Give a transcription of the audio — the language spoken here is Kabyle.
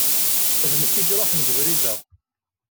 D nekk i iṛuḥen g ubrid-a.